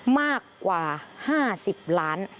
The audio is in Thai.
มากกว่า๕๐ล้าน